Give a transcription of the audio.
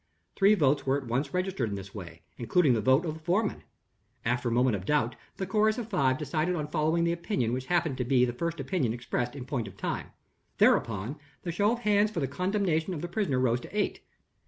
Three votes were at once registered in this way, including the vote of the foreman. After a moment of doubt, the chorus of five decided on following the opinion which happened to be the first opinion expressed in point of time. Thereupon, the show of hands for the condemnation of the prisoner rose to eight.